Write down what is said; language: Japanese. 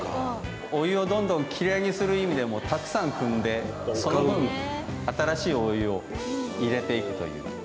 お湯をどんどんきれいにする意味でもたくさんくんでその分新しいお湯を入れていくという。